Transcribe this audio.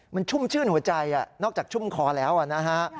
มันชุ่มชื่นหัวใจนอกจากชุ่มคอแล้วนะฮะ